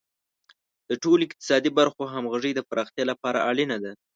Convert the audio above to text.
د ټولو اقتصادي برخو همغږي د پراختیا لپاره اړینه ده.